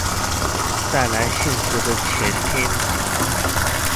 帶來幸福的錢天堂